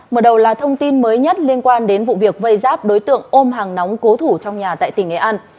mở đầu là thông tin mới nhất liên quan đến vụ việc vây giáp đối tượng ôm hàng nóng cố thủ trong nhà tại tỉnh nghệ an